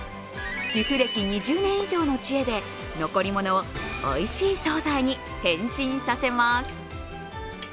主婦歴２０年以上の知恵で残り物をおいしい総菜に変身させます。